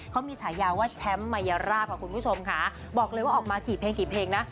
เขามีฉายาว่าแชมป์มายราบค่ะคุณผู้ชมค่ะบอกเลยว่าออกมากี่เพลงกี่เพลงนะ